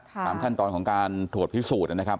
ตามขั้นตอนของการตรวจพิสูจน์นะครับ